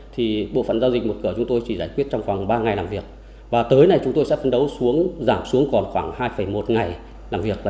thì bộ phận giao dịch một cửa chúng tôi chỉ giải quyết trong khoảng ba ngày làm việc